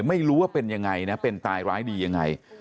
ไม่รู้ว่าเป็นยังไงนะเป็นตายร้ายดียังไง